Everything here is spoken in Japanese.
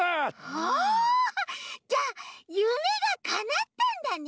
おじゃあゆめがかなったんだね！